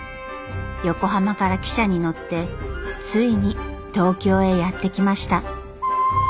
横浜から汽車に乗ってついに東京へやって来ました。